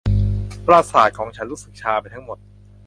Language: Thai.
ประสาทของฉันรู้สึกชาไปทั้งหมด